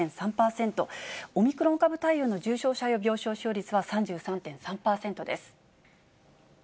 オミクロン株対応の重症者用病床使用率は３３．３％です。